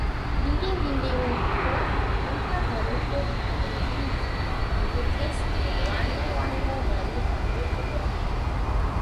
Dinding-dinding gua tempat mereka berlindung dilukis dengan warna-warna dari tumbuh-tumbuhan.